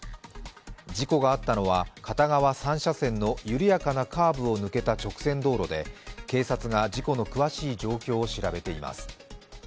事故があったのは片側３車線の緩やかなカーブを抜けた直線道路で警察が事故の詳しい状況を調べています。